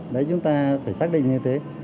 đấy chúng ta phải xác định như thế